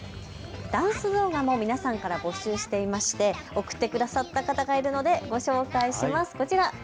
ダンス動画も皆さんから募集していまして送ってくださった方がいるのでご紹介します、こちら。